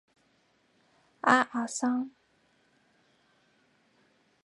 阿尔桑。